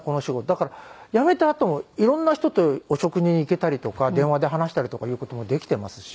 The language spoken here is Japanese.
だから辞めたあとも色んな人とお食事に行けたりとか電話で話したりとかいう事もできていますし。